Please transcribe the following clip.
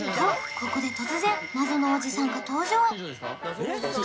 ここで突然謎のおじさんが登場